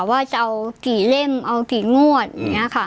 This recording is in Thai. ว่าจะเอากี่เล่มเอากี่งวดอย่างนี้ค่ะ